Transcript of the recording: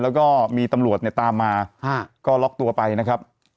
แล้วก็มีตำรวจเนี่ยตามมาก็ล็อกตัวไปนะครับ